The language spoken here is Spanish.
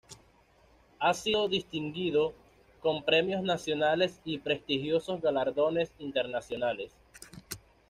Ha sido distinguido con premios nacionales y prestigiosos galardones internacionales.